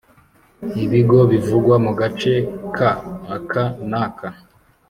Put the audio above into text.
Ibigo bivugwa mu gace ka aka n aka